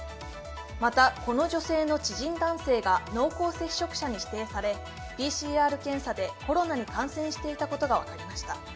またこの女性の知人男性が濃厚接触者に指定されＰＣＲ検査でコロナに感染していたことが分かりました。